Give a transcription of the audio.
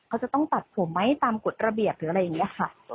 แล้วต้องตัดผมไม่ตามกฏระเบียบหรืออะไรอย่างเนี้ย